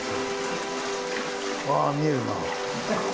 わあ見えるな。